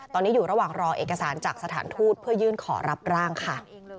ตอนนี้อยู่ระหว่างรอเอกสารจากสถานทูตเพื่อยื่นขอรับร่างค่ะ